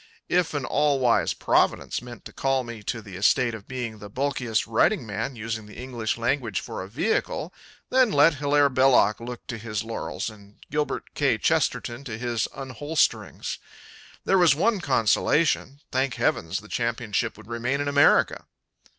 If an all wise Providence meant to call me to the estate of being the bulkiest writing man using the English language for a vehicle, then let Hilaire Belloc look to his laurels and Gilbert K. Chesterton to his unholsterings. There was one consolation: Thank heavens the championship would remain in America!